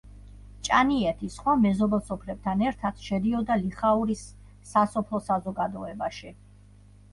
ჭანიეთი, სხვა მეზობელ სოფლებთან ერთად, შედიოდა ლიხაურის სასოფლო საზოგადოებაში.